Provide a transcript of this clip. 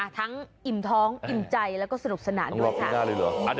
ทั้งอิ่มท้องอิ่มใจแล้วก็สนุกสนานด้วยค่ะ